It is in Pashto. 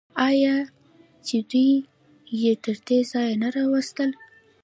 آیا چې دوی یې تر دې ځایه نه راوستل؟